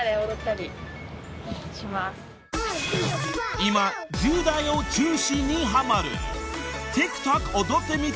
［今１０代を中心にはまる］